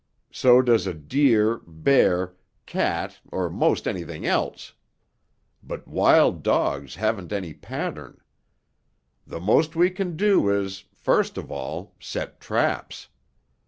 So does a deer, bear, cat or 'most anything else. But wild dogs haven't any pattern. The most we can do is, first of all, set traps.